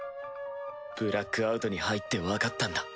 ブラックアウトに入ってわかったんだ。